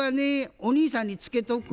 お兄さんにツケとく」